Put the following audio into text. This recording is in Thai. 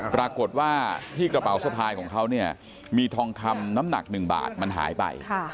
ปรากฏว่าที่กระเป๋าสะพายของเขาเนี่ยมีทองคำน้ำหนัก๑บาทมันหายไป